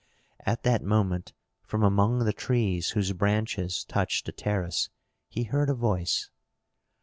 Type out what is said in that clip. At that moment from among the trees whose branches touched the terrace, he heard a voice.